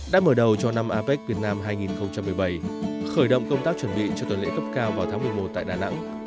đã mở đầu cho năm apec việt nam hai nghìn một mươi bảy khởi động công tác chuẩn bị cho tuần lễ cấp cao vào tháng một mươi một tại đà nẵng